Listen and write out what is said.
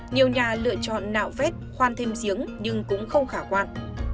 nhiều nhà lựa chọn nạo vét khoan thêm giếng nhưng cũng không khả quan